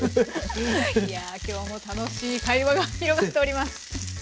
いや今日も楽しい会話が広がっております。